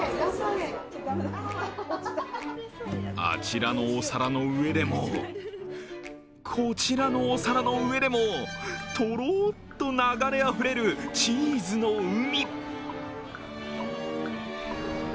あちらのお皿の上でもこちらのお皿の上でもとろっと流れあふれるチーズの海。